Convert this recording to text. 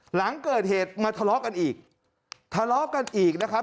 หลังเกิดเหตุมาทะเลาะกันอีกทะเลาะกันอีกนะครับ